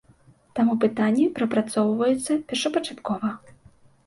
Таму пытанні прапрацоўваюцца першапачаткова.